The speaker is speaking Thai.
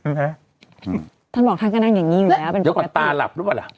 ฮะท่านบอกท่านก็นั่งอย่างงี้อยู่แล้วเป็นเดี๋ยวก่อนตาหลับหรือเปล่าล่ะ